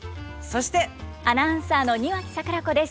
アナウンサーの庭木櫻子です。